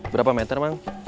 berapa meter bang